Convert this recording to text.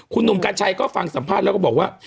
คุณหนุ่มกัญชัยก็ฟังสัมภาษณ์แล้วก็บอกว่า